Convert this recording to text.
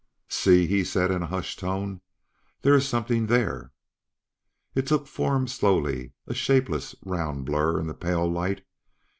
"See!" he said in a hushed tone. "There is something there!" It took form slowly, a shapeless, round blur in the pale light.